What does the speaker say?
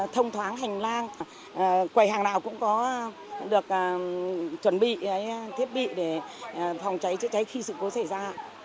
thông thoáng hành lang quầy hàng nào cũng có được chuẩn bị thiết bị để phòng cháy chữa cháy khi sự cố xảy ra